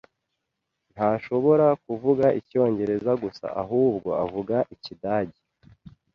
Ntashobora kuvuga Icyongereza gusa ahubwo avuga Ikidage.